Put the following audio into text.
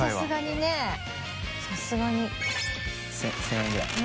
１０００円ぐらい？